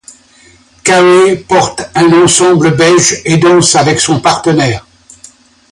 Carey porte un ensemble beige et danse avec son partenaire.